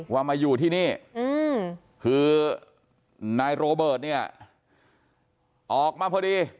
มาอยู่ที่นี่คือนายโรเบิร์ตเนี่ยออกมาพอดี